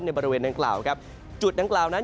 บริเวณดังกล่าวครับจุดดังกล่าวนั้น